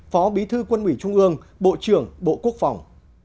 phó bí thư quân ủy trung ương bộ trưởng bộ quốc phòng